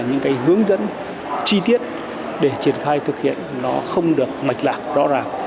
những cái hướng dẫn chi tiết để triển khai thực hiện nó không được mạch lạc rõ ràng